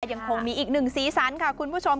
ยังคงมีอีกหนึ่งสีสันค่ะคุณผู้ชม